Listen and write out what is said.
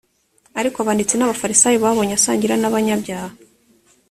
ariko abanditsi n’abafarisayo babonye asangira n’abanyabyaha